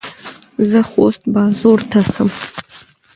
زه خوست بازور ته څم.